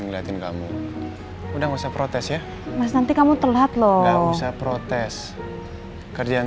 ingat kalau ada apa langsung telepon